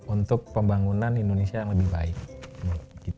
untuk pembangunan indonesia yang lebih baik